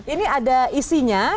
ini ada isinya